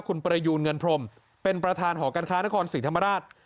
คุณประยูนเงินพรมเป็นประธานหอการค้านครศรีธรรมราช